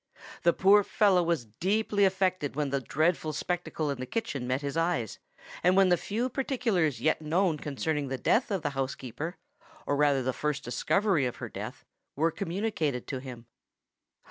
The poor fellow was deeply affected when the dreadful spectacle in the kitchen met his eyes, and when the few particulars yet known concerning the death of the housekeeper, or rather the first discovery of her death—were communicated to him.